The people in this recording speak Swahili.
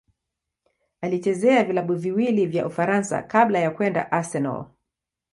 Alichezea vilabu viwili vya Ufaransa kabla ya kwenda Arsenal.